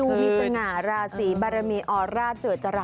ดูมีสงาระสีบาระมีออร่าเจือจรัดมา